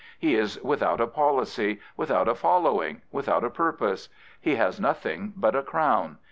He is without a policy, without a following, without a purpose. He has nothing but a crown.